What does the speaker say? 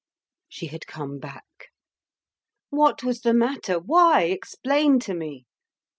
She had come back. "What was the matter? Why? Explain to me."